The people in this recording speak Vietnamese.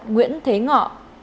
nguyễn thế ngọ